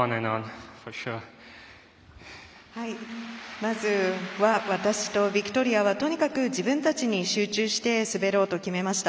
まず、私とビクトリアはとにかく自分たちに集中して滑ろうと決めました。